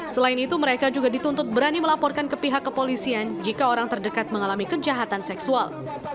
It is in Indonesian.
selain itu mereka juga dituntut berani melaporkan ke pihak kepolisian jika orang terdekat mengalami kejahatan seksual